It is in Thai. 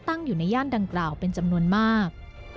ตั้งอยู่ในย่านดังกล่าวเป็นจำนวนมาก